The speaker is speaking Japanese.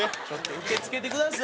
受け付けてくださいよ。